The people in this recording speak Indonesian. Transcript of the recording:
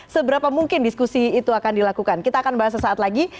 seberapa mungkin diskusi itu akan dilakukan kita akan bahas sesaat lagi